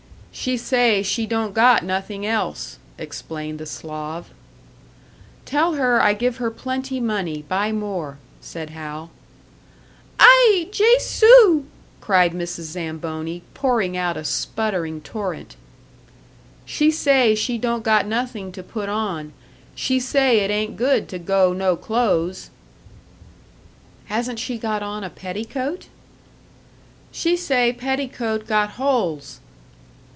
"She say she don't got nothing else," explained the Slav. "Tell her I give her plenty money buy more," said Hal. "Ai! Jesu!" cried Mrs. Zamboni, pouring out a sputtering torrent. "She say she don't got nothing to put on. She say it ain't good to go no clothes!" "Hasn't she got on a petticoat?" "She say petticoat got holes!"